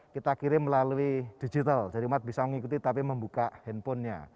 kita kirim melalui digital jadi umat bisa mengikuti tapi membuka handphonenya